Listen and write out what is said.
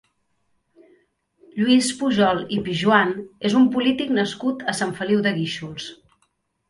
Lluís Pujol i Pijuan és un polític nascut a Sant Feliu de Guíxols.